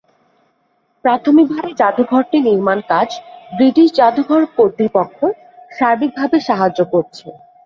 প্রাথমিকভাবে জাদুঘরটি নির্মাণকাজ ব্রিটিশ জাদুঘর কর্তৃপক্ষ সার্বিকভাবে সাহায্য করছে।